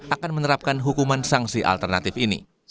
akan menerapkan hukuman sanksi alternatif ini